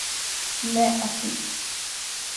Не а ти.